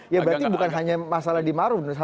ya berarti bukan hanya masalah di maruf